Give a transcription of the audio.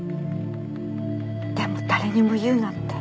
でも誰にも言うなって。